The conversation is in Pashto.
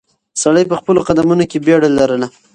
سړی په خپلو قدمونو کې بیړه لرله.